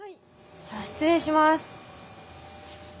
じゃあ失礼します。